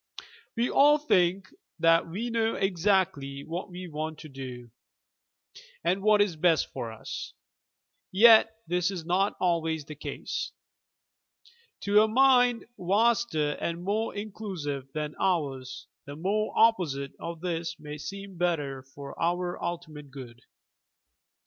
We all think that we know exactly what we want to do, and what is best for us. — yet this is not always the case! To a mind vaster and more inclusive than ours the very opposite of this may seem better for our ultimate good.